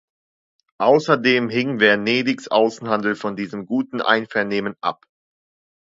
Außerdem hing Venedigs Außenhandel von diesem guten Einvernehmen ab.